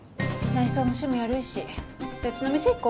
内装も趣味悪いし別の店行こ。